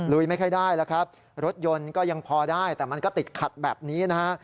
ไม่ค่อยได้แล้วครับรถยนต์ก็ยังพอได้แต่มันก็ติดขัดแบบนี้นะฮะ